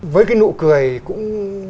với nụ cười cũng